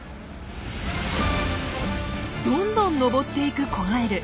どんどん登っていく子ガエル。